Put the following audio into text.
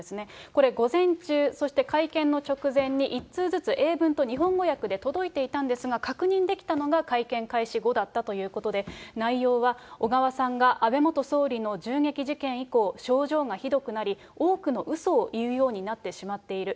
これ、午前中、そして会見の直前に、１通ずつ英文と日本語訳で届いていたんですが、確認できたのが、会見開始後だったということで、内容は小川さんが安倍元総理の銃撃事件以降、症状がひどくなり、多くのうそを言うようになってしまっている。